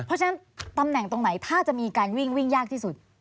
เพราะฉะนั้นตำแหน่งตรงไหนถ้าจะมีการวิ่งวิ่งยากที่สุด